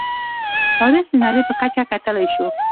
تاریخ د نړۍ په کچه کتلی شو.